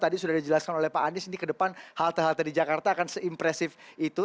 tadi sudah dijelaskan oleh pak anies ini ke depan halte halte di jakarta akan seimpresif itu